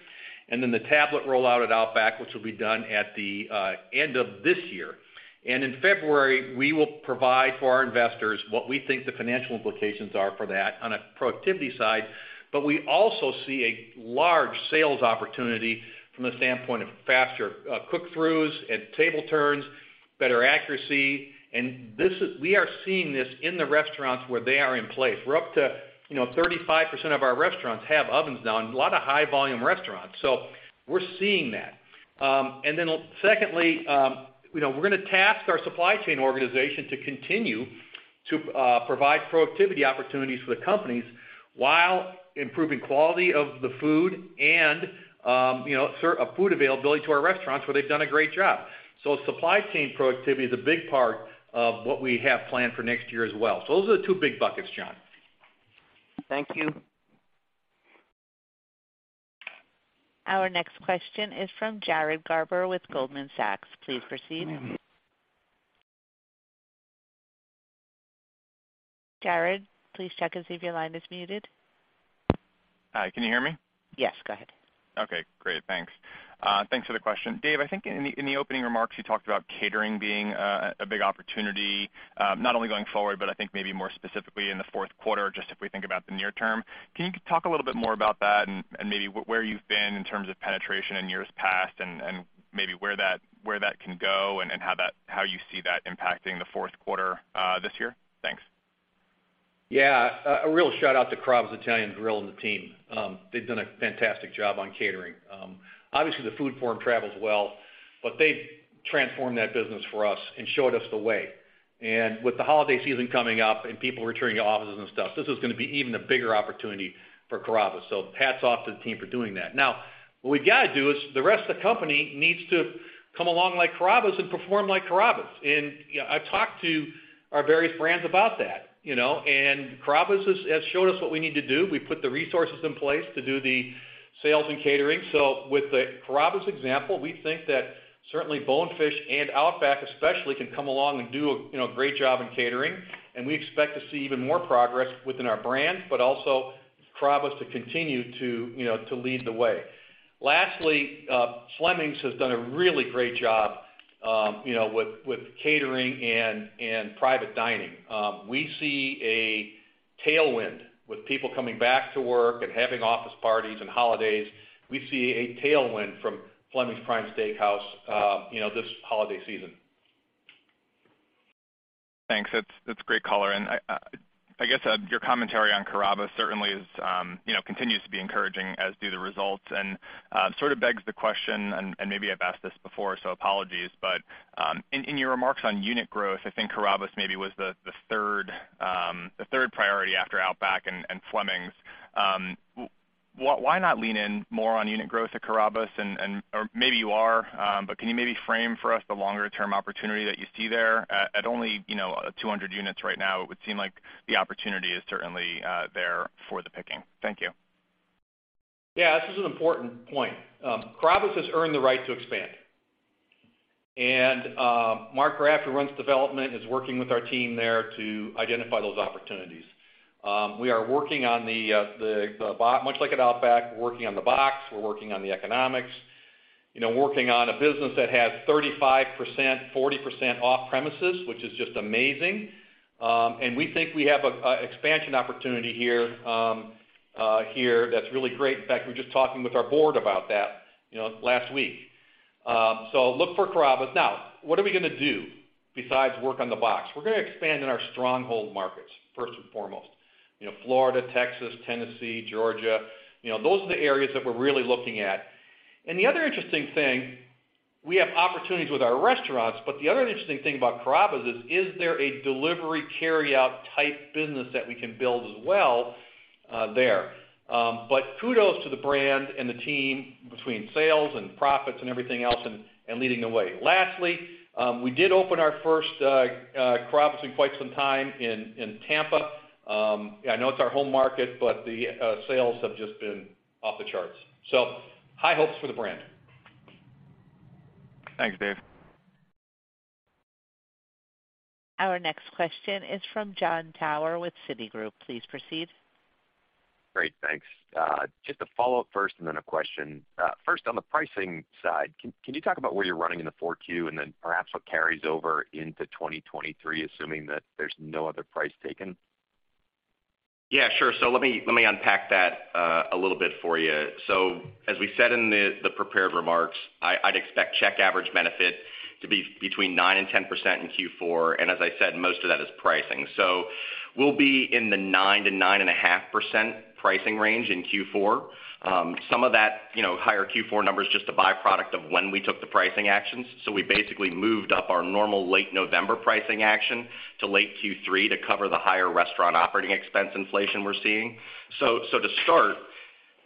and then the tablet rollout at Outback, which will be done at the end of this year. In February, we will provide for our investors what we think the financial implications are for that on a productivity side. But we also see a large sales opportunity from the standpoint of faster, cook throughs and table turns, better accuracy. We are seeing this in the restaurants where they are in place. We're up to, you know, 35% of our restaurants have ovens now, and a lot of high volume restaurants. So we're seeing that. And then secondly, we're gonna task our supply chain organization to continue to provide productivity opportunities for the companies while improving quality of the food and, you know, a food availability to our restaurants where they've done a great job. So supply chain productivity is a big part of what we have planned for next year as well. Those are the two big buckets, John. Thank you. Our next question is from Jared Garber with Goldman Sachs. Please proceed. Jared, please check and see if your line is muted. Hi, can you hear me? Yes, go ahead. Okay, great. Thanks. Thanks for the question. Dave, I think in the opening remarks, you talked about catering being a big opportunity, not only going forward, but I think maybe more specifically in the fourth quarter, just if we think about the near term. Can you talk a little bit more about that and maybe where you've been in terms of penetration in years past and maybe where that can go and how you see that impacting the fourth quarter this year? Yeah, a real shout out to Carrabba's Italian Grill and the team. They've done a fantastic job on catering. Obviously, the food form travels well, but they've transformed that business for us and showed us the way. With the holiday season coming up and people returning to offices and stuff, this is gonna be even a bigger opportunity for Carrabba's. Hats off to the team for doing that. Now, what we gotta do is the rest of the company needs to come along like Carrabba's and perform like Carrabba's. You know, I've talked to our various brands about that, you know. Carrabba's has showed us what we need to do. We put the resources in place to do the sales and catering. With the Carrabba's example, we think that certainly Bonefish and Outback especially can come along and do a, you know, great job in catering. We expect to see even more progress within our brands, but also Carrabba's to continue to, you know, to lead the way. Lastly, Fleming's has done a really great job, you know, with catering and private dining. We see a tailwind with people coming back to work and having office parties and holidays. We see a tailwind from Fleming's Prime Steakhouse, you know, this holiday season. Thanks. That's great color. I guess your commentary on Carrabba's certainly is, you know, continues to be encouraging, as do the results. Sort of begs the question, and maybe I've asked this before, so apologies. In your remarks on unit growth, I think Carrabba's maybe was the third priority after Outback and Fleming's. Why not lean in more on unit growth at Carrabba's or maybe you are, but can you maybe frame for us the longer term opportunity that you see there? At only, you know, 200 units right now, it would seem like the opportunity is certainly there for the picking. Thank you. Yeah, this is an important point. Carrabba's has earned the right to expand. Mark Graff, who runs development, is working with our team there to identify those opportunities. We are working on much like at Outback, we're working on the box, we're working on the economics. You know, working on a business that has 35%, 40% off premises, which is just amazing. We think we have a expansion opportunity here that's really great. In fact, we were just talking with our board about that, you know, last week. Look for Carrabba's. Now, what are we gonna do besides work on the box? We're gonna expand in our stronghold markets, first and foremost. You know, Florida, Texas, Tennessee, Georgia. You know, those are the areas that we're really looking at. The other interesting thing, we have opportunities with our restaurants, but the other interesting thing about Carrabba's is there a delivery carryout type business that we can build as well, there? Kudos to the brand and the team between sales and profits and everything else and leading the way. Lastly, we did open our first Carrabba's in quite some time in Tampa. I know it's our home market, but the sales have just been off the charts. High hopes for the brand. Thanks, Dave. Our next question is from Jon Tower with Citigroup. Please proceed. Great. Thanks. Just a follow-up first and then a question. First on the pricing side, can you talk about where you're running in the 4Q and then perhaps what carries over into 2023, assuming that there's no other price taken? Yeah, sure. Let me unpack that a little bit for you. As we said in the prepared remarks, I'd expect check average benefit to be between 9% and 10% in Q4, and as I said, most of that is pricing. We'll be in the 9%-9.5% pricing range in Q4. Some of that, you know, higher Q4 number is just a byproduct of when we took the pricing actions. We basically moved up our normal late November pricing action to late Q3 to cover the higher restaurant operating expense inflation we're seeing. To start,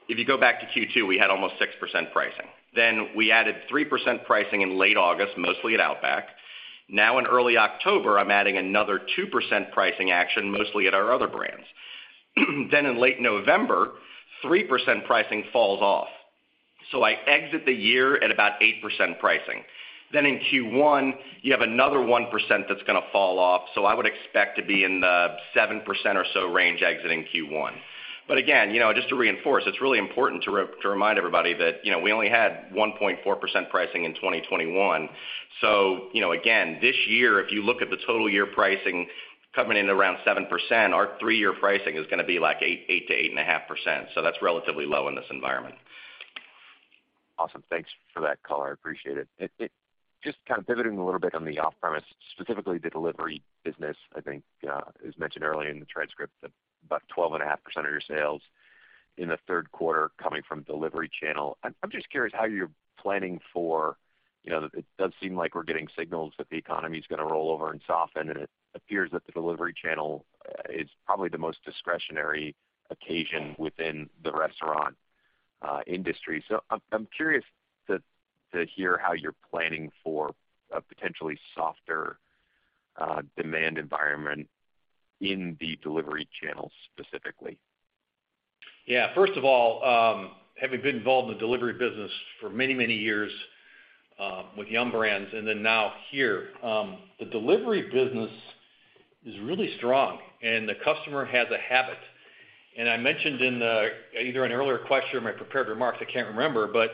if you go back to Q2, we had almost 6% pricing. Then we added 3% pricing in late August, mostly at Outback. In early October, I'm adding another 2% pricing action, mostly at our other brands. In late November, 3% pricing falls off. I exit the year at about 8% pricing. In Q1, you have another 1% that's gonna fall off. I would expect to be in the 7% or so range exiting Q1. Again, you know, just to reinforce, it's really important to remind everybody that, you know, we only had 1.4% pricing in 2021. You know, again this year, if you look at the total year pricing coming in around 7%, our three-year pricing is gonna be like 8%-8.5%. That's relatively low in this environment. Awesome. Thanks for that color. I appreciate it. Just kind of pivoting a little bit on the off-premise, specifically the delivery business, I think, as mentioned earlier in the transcript, about 12.5% of your sales in the third quarter coming from delivery channel. I'm just curious how you're planning for. You know, it does seem like we're getting signals that the economy is gonna roll over and soften, and it appears that the delivery channel is probably the most discretionary occasion within the restaurant industry. I'm curious to hear how you're planning for a potentially softer demand environment in the delivery channel specifically. Yeah. First of all, having been involved in the delivery business for many, many years, with Yum! Brands and then now here, the delivery business is really strong and the customer has a habit. I mentioned in the, either an earlier question or my prepared remarks, I can't remember, but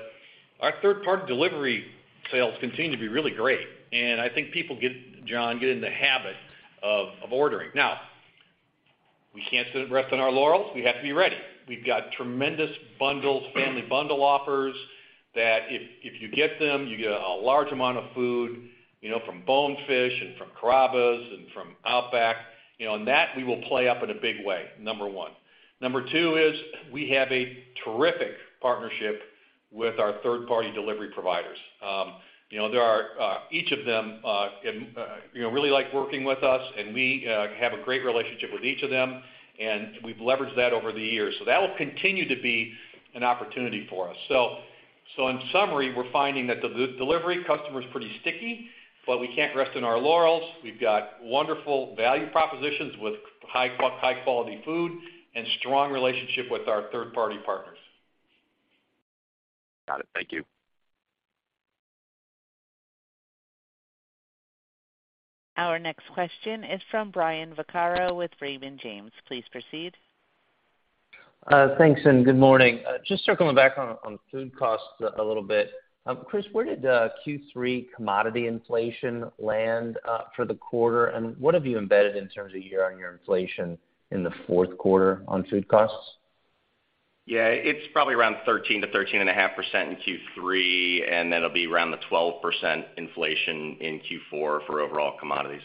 our third-party delivery sales continue to be really great. I think people get, John, in the habit of ordering. Now, we can't sit and rest on our laurels. We have to be ready. We've got tremendous bundles, family bundle offers that if you get them, you get a large amount of food, you know, from Bonefish and from Carrabba's and from Outback, you know, and that we will play up in a big way, number one. Number two is we have a terrific partnership with our third-party delivery providers. You know, there are each of them really like working with us, and we have a great relationship with each of them, and we've leveraged that over the years. That will continue to be an opportunity for us. In summary, we're finding that the delivery customer is pretty sticky, but we can't rest on our laurels. We've got wonderful value propositions with high quality food and strong relationship with our third-party partners. Got it. Thank you. Our next question is from Brian Vaccaro with Raymond James. Please proceed. Thanks, and good morning. Just circling back on food costs a little bit. Chris, where did Q3 commodity inflation land for the quarter? What have you embedded in terms of year-on-year inflation in the fourth quarter on food costs? Yeah. It's probably around 13%-13.5% in Q3, and then it'll be around 12% inflation in Q4 for overall commodities.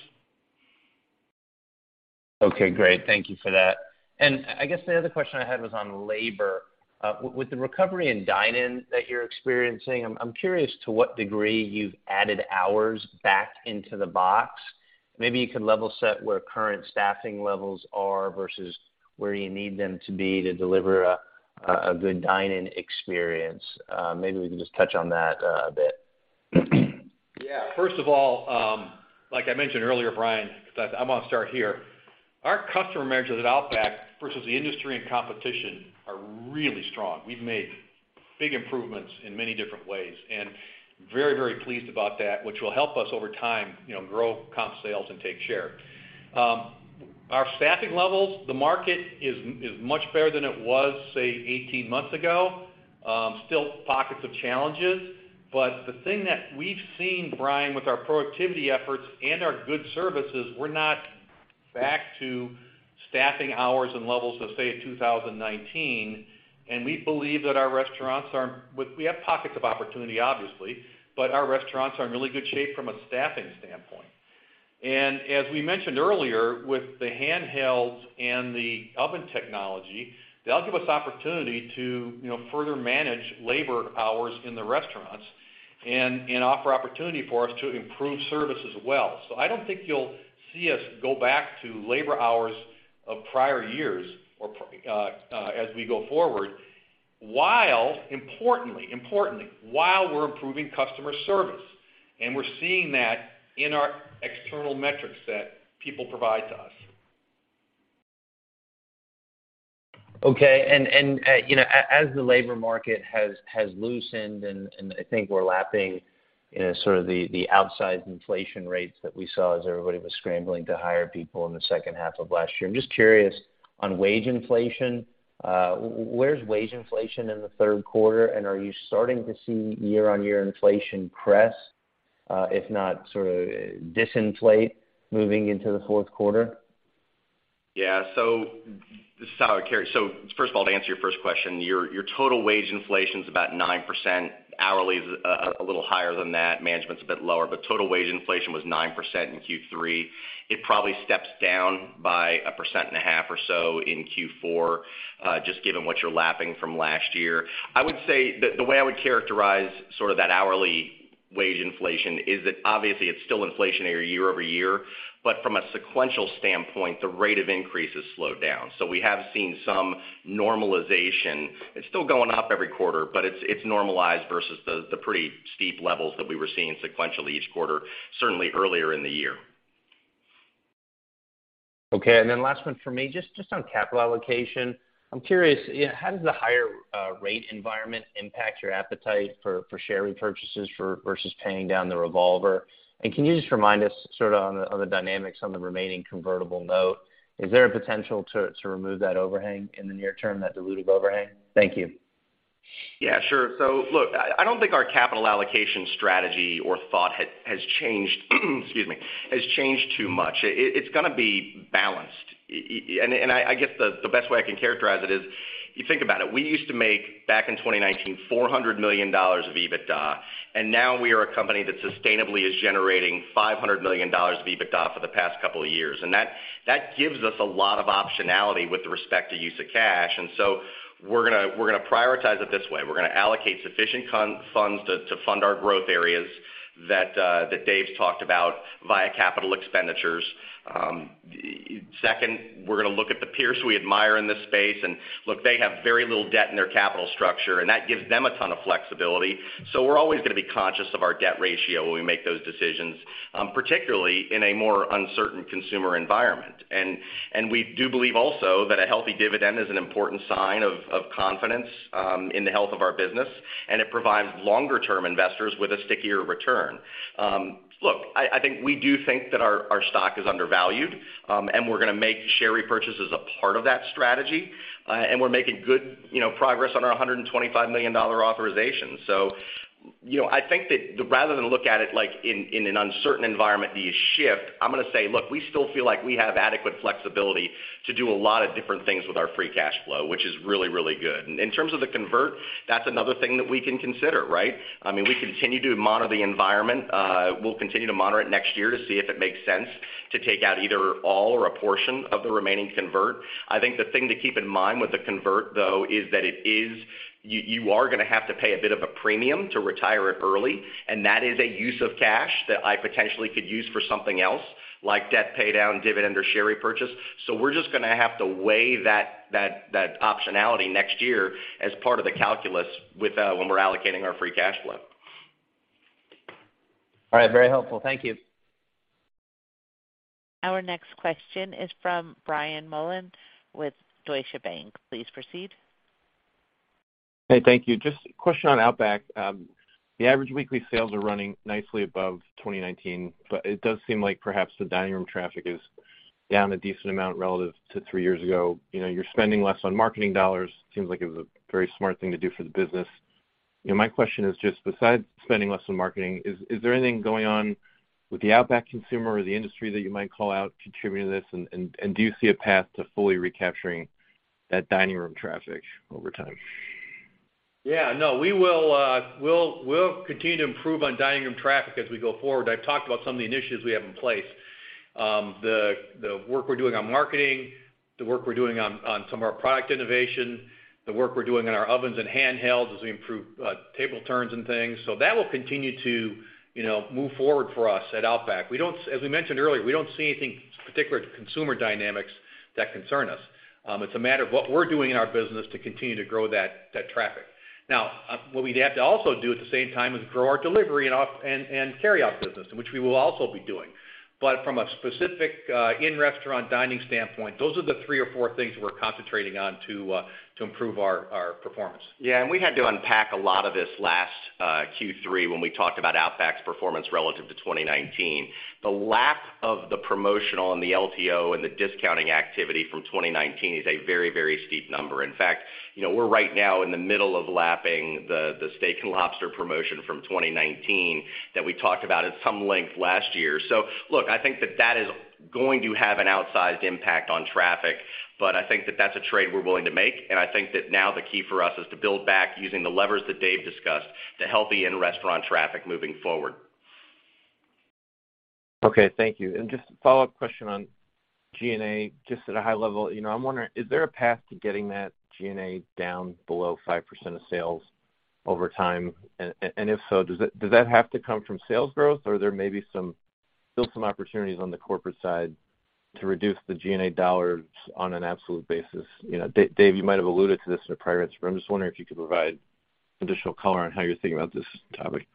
Okay. Great. Thank you for that. I guess the other question I had was on labor. With the recovery in dine-in that you're experiencing, I'm curious to what degree you've added hours back into the box. Maybe you could level set where current staffing levels are versus where you need them to be to deliver a good dine-in experience. Maybe we can just touch on that a bit. Yeah. First of all, like I mentioned earlier, Brian, in fact, I'm gonna start here. Our customer measures at Outback versus the industry and competition are really strong. We've made big improvements in many different ways, and very, very pleased about that, which will help us over time, you know, grow comp sales and take share. Our staffing levels, the market is much better than it was, say, 18 months ago. Still pockets of challenges, but the thing that we've seen, Brian, with our productivity efforts and our good services, we're not back to staffing hours and levels of, say, 2019. We believe that we have pockets of opportunity, obviously, but our restaurants are in really good shape from a staffing standpoint. As we mentioned earlier, with the handhelds and the oven technology, that'll give us opportunity to, you know, further manage labor hours in the restaurants and offer opportunity for us to improve service as well. I don't think you'll see us go back to labor hours of prior years as we go forward, while importantly, while we're improving customer service, and we're seeing that in our external metrics that people provide to us. Okay. As the labor market has loosened, and I think we're lapping, you know, sort of the outsized inflation rates that we saw as everybody was scrambling to hire people in the second half of last year. I'm just curious on wage inflation, where's wage inflation in the third quarter? Are you starting to see year-on-year inflation crest, if not sort of disinflate moving into the fourth quarter? First of all, to answer your first question, your total wage inflation's about 9%. Hourly is a little higher than that. Management's a bit lower, but total wage inflation was 9% in Q3. It probably steps down by 1.5% or so in Q4, just given what you're lapping from last year. I would say that the way I would characterize sort of that hourly wage inflation is that obviously it's still inflationary year over year, but from a sequential standpoint, the rate of increase has slowed down. We have seen some normalization. It's still going up every quarter, but it's normalized versus the pretty steep levels that we were seeing sequentially each quarter, certainly earlier in the year. Okay. Last one for me, just on capital allocation. I'm curious, you know, how does the higher rate environment impact your appetite for share repurchases versus paying down the revolver? And can you just remind us sort of on the dynamics of the remaining convertible note? Is there a potential to remove that overhang in the near term, that dilutive overhang? Thank you. Yeah, sure. Look, I don't think our capital allocation strategy or thought has changed too much. It's gonna be balanced. I guess the best way I can characterize it is, you think about it, we used to make back in 2019 $400 million of EBITDA, and now we are a company that sustainably is generating $500 million of EBITDA for the past couple of years. That gives us a lot of optionality with respect to use of cash. We're gonna prioritize it this way. We're gonna allocate sufficient funds to fund our growth areas that Dave's talked about via capital expenditures. Second, we're gonna look at the peers we admire in this space. Look, they have very little debt in their capital structure, and that gives them a ton of flexibility. We're always gonna be conscious of our debt ratio when we make those decisions, particularly in a more uncertain consumer environment. We do believe also that a healthy dividend is an important sign of confidence in the health of our business, and it provides longer term investors with a stickier return. Look, I think we do think that our stock is undervalued, and we're gonna make share repurchases a part of that strategy, and we're making good, you know, progress on our $125 million authorization. You know, I think that rather than look at it like in an uncertain environment, do you shift? I'm gonna say, look, we still feel like we have adequate flexibility to do a lot of different things with our free cash flow, which is really, really good. In terms of the convert, that's another thing that we can consider, right? I mean, we continue to monitor the environment. We'll continue to monitor it next year to see if it makes sense to take out either all or a portion of the remaining convert. I think the thing to keep in mind with the convert, though, is that it is you are gonna have to pay a bit of a premium to retire it early, and that is a use of cash that I potentially could use for something else, like debt paydown, dividend or share repurchase. We're just gonna have to weigh that optionality next year as part of the calculus with when we're allocating our free cash flow. All right. Very helpful. Thank you. Our next question is from Brian Mullan with Deutsche Bank. Please proceed. Hey, thank you. Just a question on Outback. The average weekly sales are running nicely above 2019, but it does seem like perhaps the dining room traffic is down a decent amount relative to three years ago. You know, you're spending less on marketing dollars. Seems like it was a very smart thing to do for the business. You know, my question is just, besides spending less on marketing, is there anything going on with the Outback consumer or the industry that you might call out contributing to this? Do you see a path to fully recapturing that dining room traffic over time? Yeah, no. We'll continue to improve on dining room traffic as we go forward. I've talked about some of the initiatives we have in place. The work we're doing on marketing, the work we're doing on some of our product innovation, the work we're doing on our ovens and handhelds as we improve table turns and things. That will continue to, you know, move forward for us at Outback. As we mentioned earlier, we don't see anything particular to consumer dynamics that concern us. It's a matter of what we're doing in our business to continue to grow that traffic. Now, what we'd have to also do at the same time is grow our delivery and off and carry out business, which we will also be doing. From a specific, in-restaurant dining standpoint, those are the three or four things we're concentrating on to improve our performance. Yeah, we had to unpack a lot of this last Q3 when we talked about Outback's performance relative to 2019. The lap of the promotional and the LTO and the discounting activity from 2019 is a very, very steep number. In fact, you know, we're right now in the middle of lapping the steak and lobster promotion from 2019 that we talked about at some length last year. Look, I think that is going to have an outsized impact on traffic, but I think that's a trade we're willing to make. I think that now the key for us is to build back using the levers that Dave discussed to healthy in-restaurant traffic moving forward. Okay, thank you. Just a follow-up question on G&A, just at a high level. You know, I'm wondering, is there a path to getting that G&A down below 5% of sales over time? If so, does that have to come from sales growth, or there may be some opportunities on the corporate side to reduce the G&A dollars on an absolute basis? You know, David, you might have alluded to this in a prior answer, but I'm just wondering if you could provide additional color on how you're thinking about this topic.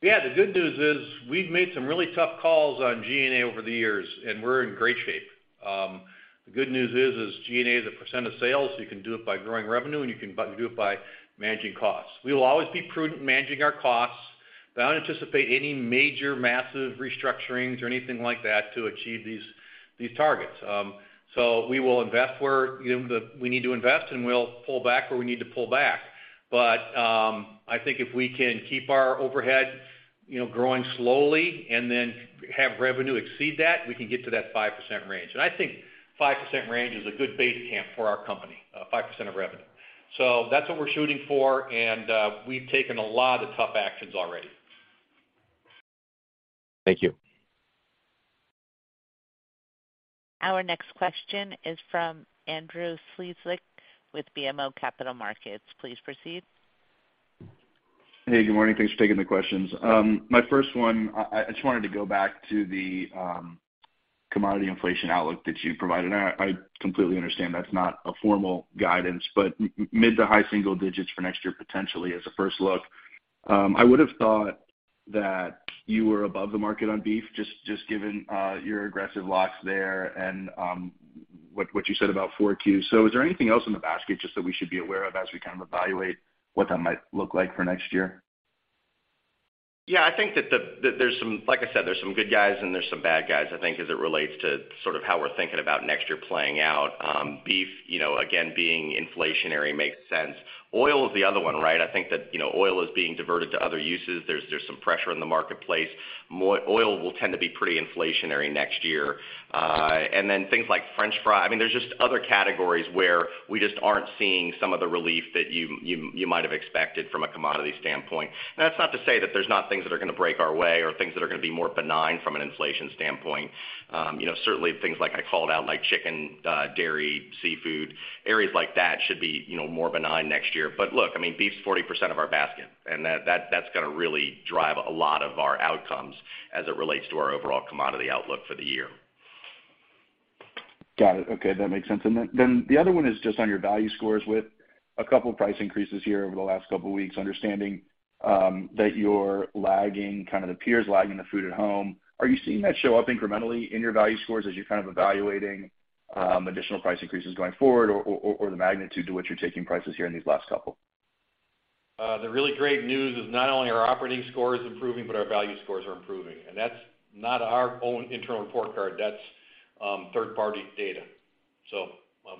Yeah. The good news is we've made some really tough calls on G&A over the years, and we're in great shape. The good news is G&A is a percent of sales. You can do it by growing revenue, and you can do it by managing costs. We will always be prudent managing our costs, but I don't anticipate any major massive restructurings or anything like that to achieve these targets. We will invest where, you know, we need to invest, and we'll pull back where we need to pull back. I think if we can keep our overhead, you know, growing slowly and then have revenue exceed that, we can get to that 5% range. I think 5% range is a good base camp for our company, 5% of revenue. That's what we're shooting for, and we've taken a lot of tough actions already. Thank you. Our next question is from Andrew Strelzik with BMO Capital Markets. Please proceed. Hey, good morning. Thanks for taking the questions. My first one, I just wanted to go back to the commodity inflation outlook that you provided, and I completely understand that's not a formal guidance, but mid to high single digits for next year potentially as a first look. I would have thought that you were above the market on beef, just given your aggressive locks there and what you said about 4Q. Is there anything else in the basket just that we should be aware of as we kind of evaluate what that might look like for next year? Yeah. I think that there's some good guys and some bad guys, I think, as it relates to sort of how we're thinking about next year playing out. Beef, you know, again, being inflationary makes sense. Oil is the other one, right? I think that, you know, oil is being diverted to other uses. There's some pressure in the marketplace. Oil will tend to be pretty inflationary next year. And then things like french fry. I mean, there's just other categories where we just aren't seeing some of the relief that you might have expected from a commodity standpoint. Now, that's not to say that there's not things that are gonna be more benign from an inflation standpoint. You know, certainly things like I called out, like chicken, dairy, seafood, areas like that should be, you know, more benign next year. Look, I mean, beef's 40% of our basket, and that's gonna really drive a lot of our outcomes as it relates to our overall commodity outlook for the year. Got it. Okay, that makes sense. The other one is just on your value scores with a couple price increases here over the last couple weeks, understanding that you're lagging, kind of the peers lagging the food at home. Are you seeing that show up incrementally in your value scores as you're kind of evaluating additional price increases going forward or the magnitude to which you're taking prices here in these last couple? The really great news is not only are our operating scores improving, but our value scores are improving. That's not our own internal scorecard, that's third-party data.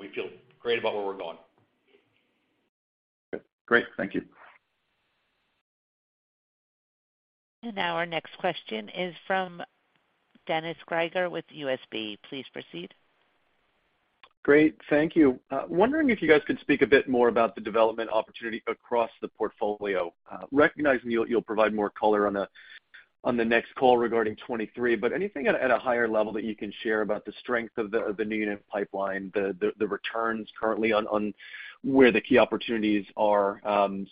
We feel great about where we're going. Great. Thank you. Now our next question is from Dennis Geiger with UBS. Please proceed. Great. Thank you. Wondering if you guys could speak a bit more about the development opportunity across the portfolio. Recognizing you'll provide more color on the next call regarding 2023, but anything at a higher level that you can share about the strength of the new unit pipeline, the returns currently on where the key opportunities are,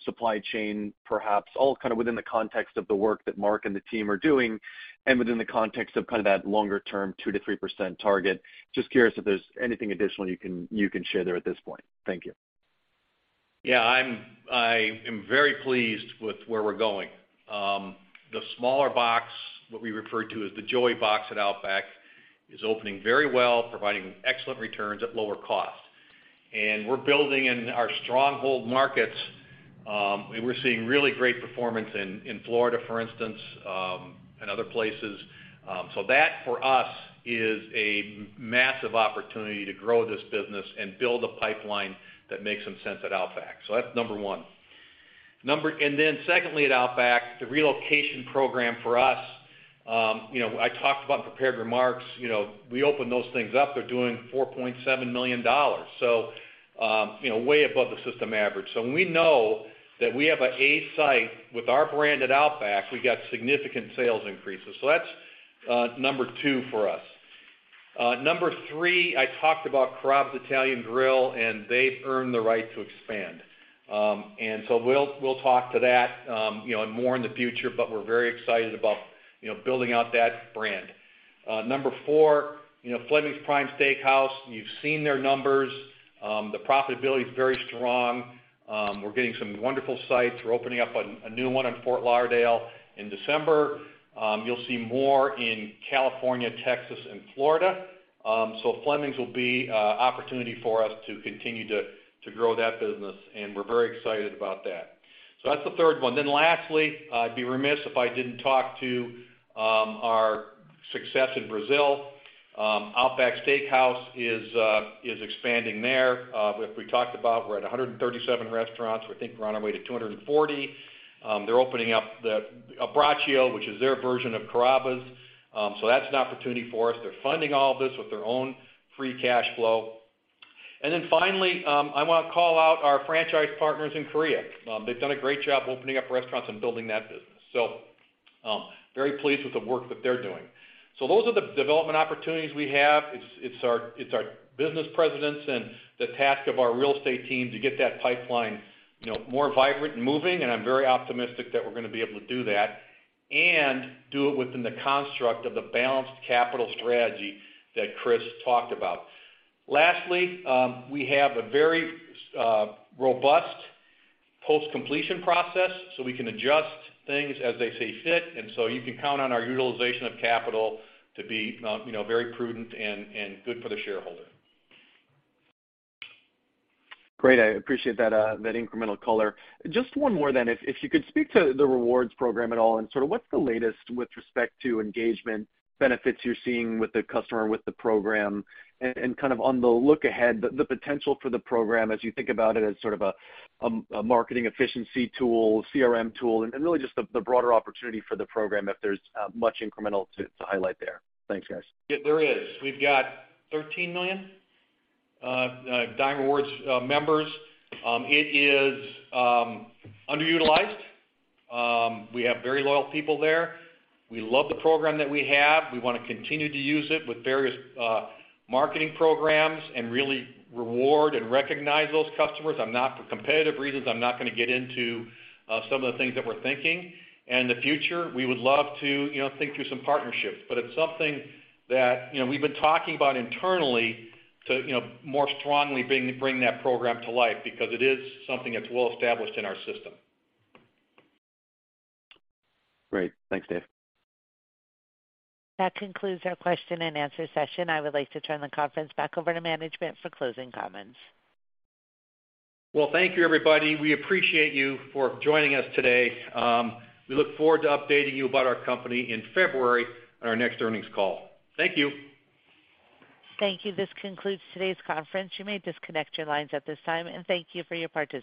supply chain perhaps, all kind of within the context of the work that Mark and the team are doing and within the context of kind of that longer-term 2%-3% target. Just curious if there's anything additional you can share there at this point. Thank you. Yeah, I am very pleased with where we're going. The smaller box, what we refer to as the Joey box at Outback, is opening very well, providing excellent returns at lower cost. We're building in our stronghold markets, and we're seeing really great performance in Florida, for instance, and other places. That for us is a massive opportunity to grow this business and build a pipeline that makes some sense at Outback. That's number one. Then secondly at Outback, the relocation program for us, you know, I talked about in prepared remarks, you know, we open those things up, they're doing $4.7 million, so, you know, way above the system average. When we know that we have an A site with our brand at Outback, we got significant sales increases. That's number two for us. Number three, I talked about Carrabba's Italian Grill, and they've earned the right to expand. We'll talk about that, you know, and more in the future, but we're very excited about, you know, building out that brand. Number four, you know, Fleming's Prime Steakhouse, you've seen their numbers. The profitability is very strong. We're getting some wonderful sites. We're opening up a new one in Fort Lauderdale in December. You'll see more in California, Texas, and Florida. Fleming's will be an opportunity for us to continue to grow that business, and we're very excited about that. That's the third one. Lastly, I'd be remiss if I didn't talk about our success in Brazil. Outback Steakhouse is expanding there. If we talked about we're at 137 restaurants. We think we're on our way to 240. They're opening up the Abbraccio, which is their version of Carrabba's. That's an opportunity for us. They're funding all of this with their own free cash flow. Finally, I wanna call out our franchise partners in Korea. They've done a great job opening up restaurants and building that business. Very pleased with the work that they're doing. Those are the development opportunities we have. It's our business presidents and the task of our real estate team to get that pipeline, you know, more vibrant and moving, and I'm very optimistic that we're gonna be able to do that and do it within the construct of the balanced capital strategy that Chris talked about. Lastly, we have a very robust post-completion process, so we can adjust things as they see fit, and you can count on our utilization of capital to be, you know, very prudent and good for the shareholder. Great. I appreciate that incremental color. Just one more then. If you could speak to the rewards program at all and sort of what's the latest with respect to engagement benefits you're seeing with the customer, with the program, and kind of on the look ahead, the potential for the program as you think about it as sort of a marketing efficiency tool, CRM tool, and really just the broader opportunity for the program, if there's much incremental to highlight there. Thanks, guys. Yeah, there is. We've got 13 million Dine Rewards members. It is underutilized. We have very loyal people there. We love the program that we have. We wanna continue to use it with various marketing programs and really reward and recognize those customers. For competitive reasons, I'm not gonna get into some of the things that we're thinking. In the future, we would love to, you know, think through some partnerships, but it's something that, you know, we've been talking about internally to, you know, more strongly bring that program to life because it is something that's well established in our system. Great. Thanks, Dave. That concludes our question and answer session. I would like to turn the conference back over to management for closing comments. Well, thank you, everybody. We appreciate you for joining us today. We look forward to updating you about our company in February on our next earnings call. Thank you. Thank you. This concludes today's conference. You may disconnect your lines at this time, and thank you for your participation.